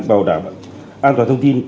bảo đảm an toàn thông tin